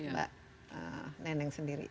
mbak neneng sendiri